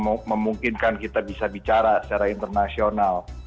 itu sebenarnya yang memungkinkan kita bisa bicara secara internasional